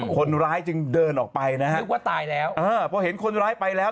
คนร้ายจึงเดินออกไปเพราะเห็นคนร้ายไปแล้ว